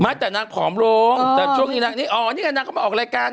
ห่ะแต่นางผอมลงแต่ช่วงนี้นางค่ะ